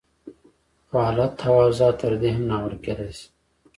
خو حالت او اوضاع تر دې هم ناوړه کېدای شي.